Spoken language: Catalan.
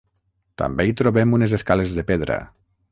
També hi trobem unes escales de pedra.